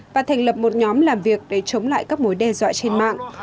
và thành lập một nhóm làm việc để chống lại các mối đe dọa trên mạng